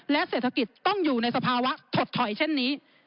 และเศรษฐกิจต้องอยู่ในสภาวะถดถอยเช่นนี้